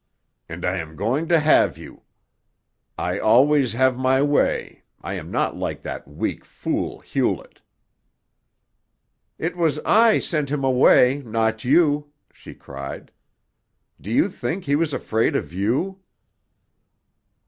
"And I am going to have you. I always have my way, I am not like that weak fool, Hewlett." "It was I sent him away, not you," she cried. "Do you think he was afraid of you?"